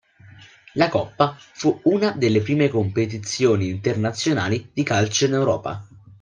La coppa fu una delle prime competizioni internazionali di calcio in Europa.